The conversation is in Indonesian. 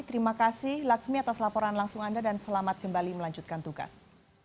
terima kasih laksmi atas laporan langsung anda dan selamat kembali melanjutkan tugas